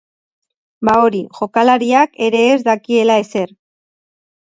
Ba hori, jokalariak ere ez dakiela ezer.